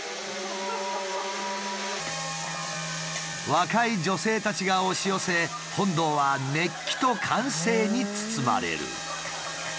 若い女性たちが押し寄せ本堂は熱気と歓声に包まれる。